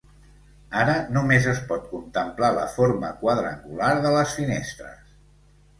Ara només es pot contemplar la forma quadrangular de les finestres.